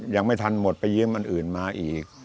ยังไม่ทันหมดไปยืมอันอื่นมาอีก